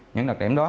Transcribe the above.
những đặc điểm đó